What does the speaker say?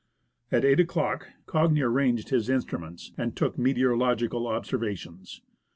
At 8 o'clock Cagni arranged his instruments and took meteoro logical observations.